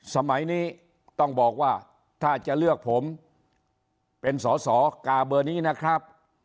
สมัยนี้ต้องบอกว่าถ้าจะเลือกผมเป็นสอสอกาเบอร์นี้นะครับ